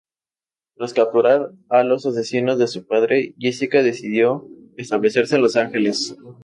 Tras capturar a los asesinos de su padre, Jessica decidió establecerse en Los Angeles.